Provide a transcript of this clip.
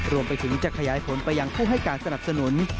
รวมไปถึงจะขยายผลไปยังผู้ให้การสนับสนุน